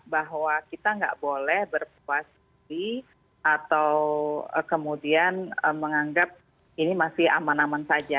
bahwa kita nggak boleh berpuas diri atau kemudian menganggap ini masih aman aman saja